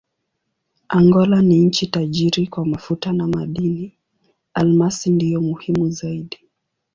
Angola ni nchi tajiri kwa mafuta na madini: almasi ndiyo muhimu zaidi.